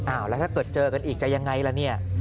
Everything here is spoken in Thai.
อ้าวแล้วถ้าเกิดเจอกันอีกจะยังไงล่ะ